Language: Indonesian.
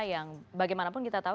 yang bagaimanapun kita tahu